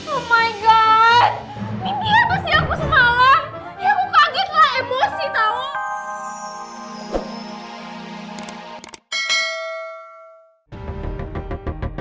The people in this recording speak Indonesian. oh my god ini apa sih aku semalam